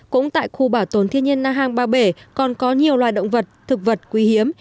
cũng tại khu bảo tồn thiên nhiên na hàng ba bể còn có nhiều loài động vật thực vật quý hiếm